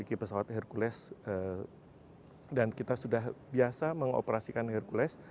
memiliki pesawat herkules dan kita sudah biasa mengoperasikan herkules